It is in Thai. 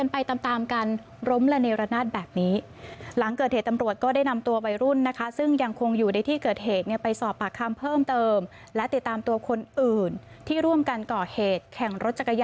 ไปดำเนินคดีตามกฎหมาย